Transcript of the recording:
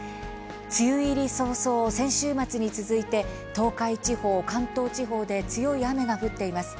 梅雨入り早々、先週末に続いて東海地方、関東地方で強い雨が降っています。